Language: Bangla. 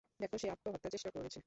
দেখ, সে আত্মহত্যার চেষ্টা করেছে।